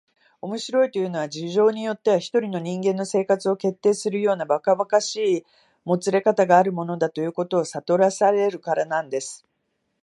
「面白いというのは、事情によっては一人の人間の生活を決定するようなばかばかしいもつれかたがあるものだ、ということをさとらせられるからなんです」